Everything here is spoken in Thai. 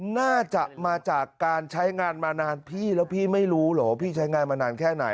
น่าจะมาจากการใช้งานมานานพี่แล้วพี่ไม่รู้เหรอว่าพี่ใช้งานมานานแค่ไหน